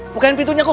bukain pintunya kum